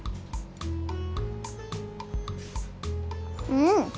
うん！